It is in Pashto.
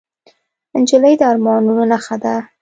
نجلۍ د ارمانونو نښه ده.